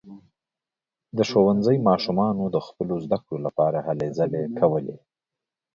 د ښوونځي ماشومانو د خپلو زده کړو لپاره هلې ځلې کولې.